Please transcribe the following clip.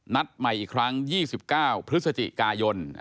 นัดใหม่อีกครั้ง๒๙พฤศจิกายน